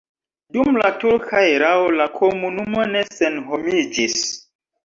Dum la turka erao la komunumo ne senhomiĝis.